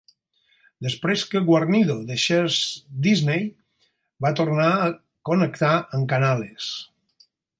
Després que Guarnido deixés Disney, va tornar a connectar amb Canales.